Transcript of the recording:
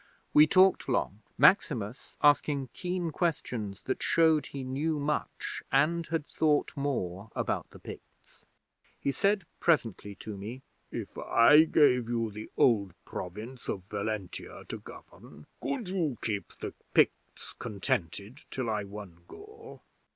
'We talked long, Maximus asking keen questions that showed he knew much and had thought more about the Picts. He said presently to me: "If I gave you the old Province of Valentia to govern, could you keep the Picts contented till I won Gaul?